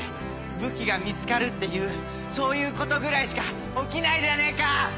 武器が見つかるっていうそういうことぐらいしか起きないじゃねえか！